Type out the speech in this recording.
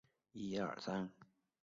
他不喝酒精类饮料。